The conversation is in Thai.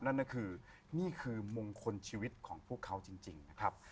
นั่นก็คือนี่คือมงคลชีวิตของพวกเขาจริงนะครับ